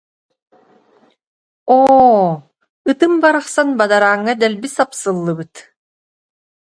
«Оо, ытым барахсан бадарааҥҥа дэлби сапсыллыбыт»